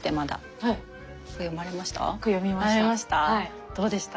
これ読みました。